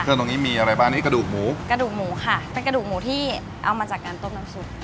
ตรงนี้มีอะไรบ้างอันนี้กระดูกหมูกระดูกหมูค่ะเป็นกระดูกหมูที่เอามาจากการต้มน้ำซุป